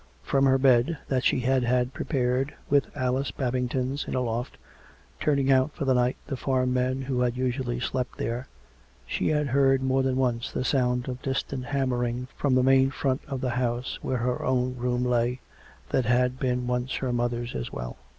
From her bed, that she had had prepared, with Alice Bab ington's, in a loft — turning out for the night the farm men who had usually slept there, she had heard more than once the sound of distant hammering from the main front of the house where her own room lay, that had been once her mother's as well.